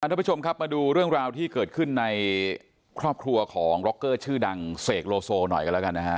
ทุกผู้ชมครับมาดูเรื่องราวที่เกิดขึ้นในครอบครัวของร็อกเกอร์ชื่อดังเสกโลโซหน่อยกันแล้วกันนะฮะ